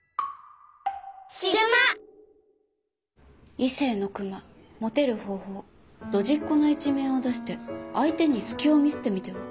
「『異性のクマモテる方法』ドジっ子な一面を出して相手に隙を見せてみては」。